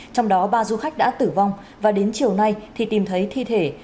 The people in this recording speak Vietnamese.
trong đó ba du khách đã tử vong và đến chiều nay thì tìm thấy thi thể